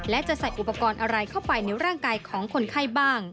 และจะใส่อุปกรณ์อะไรเข้าไปในร่างกายของคนไข้บ้าง